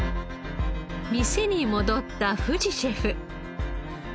店に戻った藤シェフ。